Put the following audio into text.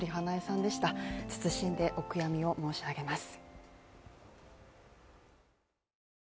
謹んでお悔やみを申し上げます。